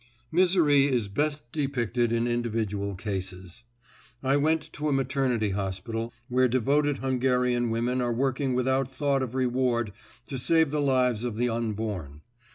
Misery is best depicted in individual cases. I went to a maternity hospital, where devoted Hungarian women are working without thought of reward to save the lives of the unborn.